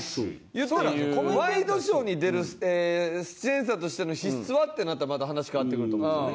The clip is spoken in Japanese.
言ったら「ワイドショーに出る出演者としての資質は？」ってなったらまた話変わってくると思うんですよね。